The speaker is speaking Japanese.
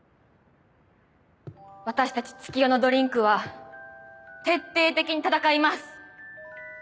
私たち月夜野ドリンクは徹底的に戦います！